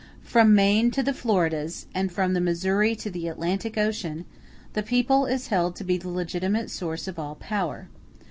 From Maine to the Floridas, and from the Missouri to the Atlantic Ocean, the people is held to be the legitimate source of all power.